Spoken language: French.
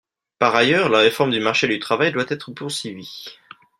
Par ailleurs, la réforme du marché du travail doit être poursuivie.